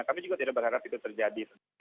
kami juga tidak berharap itu terjadi